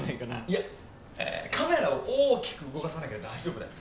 いやカメラを大きく動かさなきゃ大丈夫だよ